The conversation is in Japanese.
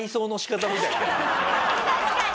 確かに。